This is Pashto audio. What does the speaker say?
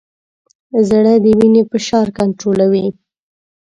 زړه د وینې فشار کنټرولوي.